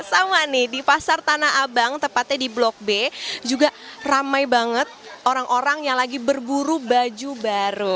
sama nih di pasar tanah abang tepatnya di blok b juga ramai banget orang orang yang lagi berburu baju baru